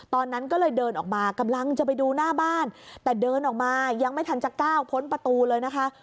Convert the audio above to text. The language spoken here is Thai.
ตอนนั้นก็เลยเดินออกมากำลังจะไปดูหน้าบ้านแต่เดินออกมายังไม่ทันจะก้าวพ้นประตูเลยนะคะ